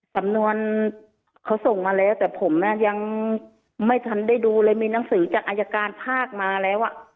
สำนวนเขาส่งมาแล้วแต่ผมยังไม่ทันได้ดูเลยมีหนังสือจากอายการภาคมาแล้ว